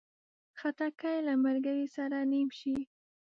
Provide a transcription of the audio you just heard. خټکی له ملګري سره نیم شي.